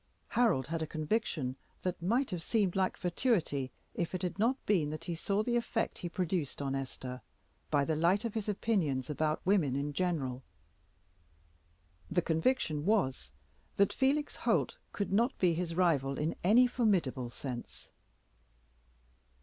Harold had a conviction that might have seemed like fatuity if it had not been that he saw the effect he produced on Esther by the light of his opinions about women in general. The conviction was, that Felix Holt could not be his rival in any formidable sense.